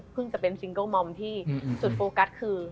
จะเป็นซิงเกิลมอมที่จุดโฟกัสคือ